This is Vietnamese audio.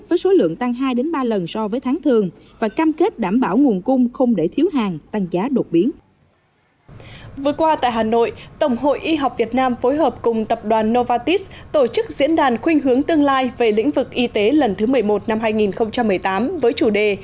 vừa qua tại hà nội tổng hội y học việt nam phối hợp cùng tập đoàn novatis tổ chức diễn đàn khuyên hướng tương lai về lĩnh vực y tế lần thứ một mươi một năm hai nghìn một mươi tám với chủ đề